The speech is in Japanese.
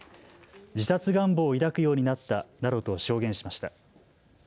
自殺願望を抱くようになったなどと証言しました。